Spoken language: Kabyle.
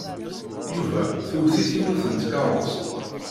Yuba twet-it yiwet n tkeṛṛust.